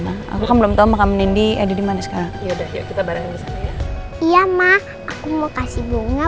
ya aku belum tahu makam nindi edi dimana sekarang ya udah kita bareng iya mah aku mau kasih bunga